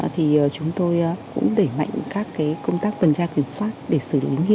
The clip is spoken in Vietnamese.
thì chúng tôi cũng để mạnh các công tác quần tra kiểm soát để xử lý